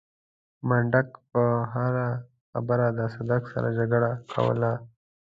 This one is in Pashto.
منډک به پر هره خبره له صدک سره جګړه کوله.